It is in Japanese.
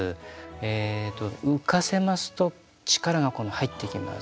えと浮かせますと力が入ってきます。